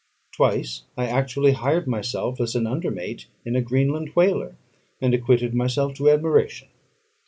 Twice I actually hired myself as an under mate in a Greenland whaler, and acquitted myself to admiration.